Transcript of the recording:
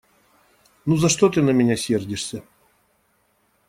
Ну за что ты на меня сердишься?